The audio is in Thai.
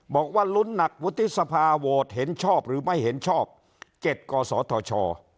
บอกว่าลุ้นหนักวุฒิสภาโหวตเห็นชอบหรือไม่เห็นชอบ๗กศธช